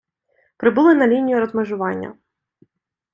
прибули на лінію розмежування